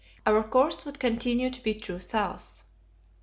Our course would continue to be true south.